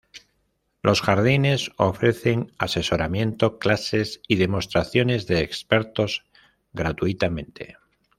Los jardines ofrecen asesoramiento, clases, y demostraciones de expertos gratuitamente.